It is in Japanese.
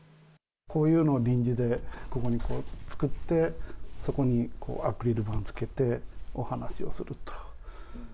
こういうのを臨時でここに作って、そこにアクリル板をつけて、お話をすると。